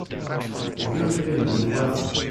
A girl playing with water.